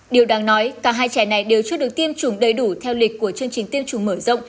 điều đáng nói cả hai trẻ này đều chưa được tiêm chủng đầy đủ theo lịch của chương trình tiêm chủng mở rộng